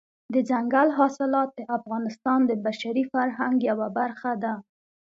دځنګل حاصلات د افغانستان د بشري فرهنګ یوه برخه ده.